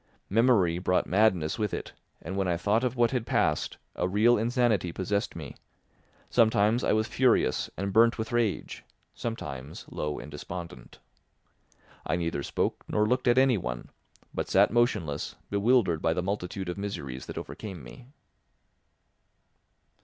Memory brought madness with it, and when I thought of what had passed, a real insanity possessed me; sometimes I was furious and burnt with rage, sometimes low and despondent. I neither spoke nor looked at anyone, but sat motionless, bewildered by the multitude of miseries that overcame me.